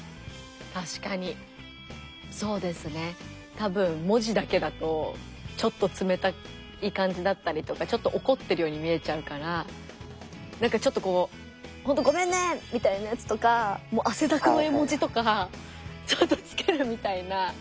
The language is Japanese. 多分文字だけだとちょっと冷たい感じだったりとかちょっと怒ってるように見えちゃうからなんかちょっとこう「ほんとごめんね！」みたいなやつとか汗だくの絵文字とかちょっとつけるみたいな。